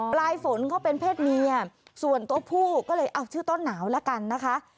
ปลายฝนเขาเป็นเพศเมียส่วนตัวผู้ก็เลยเอาชื่อต้นหนาวแล้วกันนะคะ